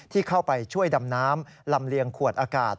ที่เข้าไปช่วยดำน้ำลำเลียงขวดอากาศ